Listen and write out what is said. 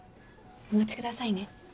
お待ちくださいね。